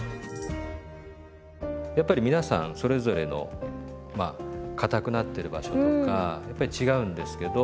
やっぱり皆さんそれぞれのまあかたくなってる場所とかやっぱり違うんですけど。